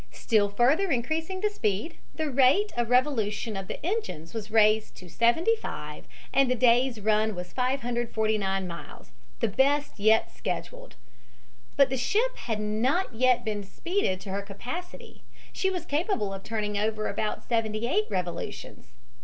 Still further increasing the speed, the rate of revolution of the engines was raised to seventy five and the day's run was 549 miles, the best yet scheduled. But the ship had not yet been speeded to her capacity she was capable of turning over about seventy eight revolutions.